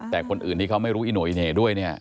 แต่คนอื่นที่เขาไม่รู้อีโหน่ออีเนด้วย